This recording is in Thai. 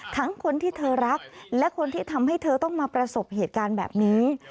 ทั้งคนที่เธอรักและคนที่ทำให้เธอต้องมาประสบเหตุการณ์แบบนี้